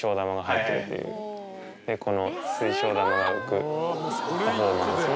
でこの水晶玉が浮くパフォーマンスも。